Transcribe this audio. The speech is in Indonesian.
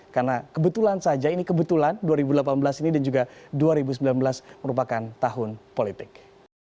karena kebetulan saja ini kebetulan dua ribu delapan belas ini dan juga dua ribu sembilan belas merupakan tahun politik